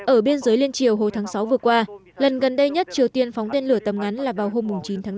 ở biên giới liên triều hồi tháng sáu vừa qua lần gần đây nhất triều tiên phóng tên lửa tầm ngắn là vào hôm chín tháng năm